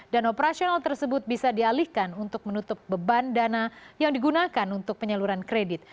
dan operasional tersebut bisa dialihkan untuk menutup beban dana yang digunakan untuk penyeluruhan kredit